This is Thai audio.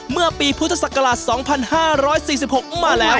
เมื่อปีพุทธศักราช๒๕๔๖มาแล้ว